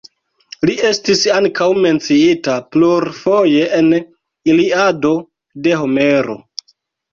Li estis ankaŭ menciita plurfoje en "Iliado", de Homero.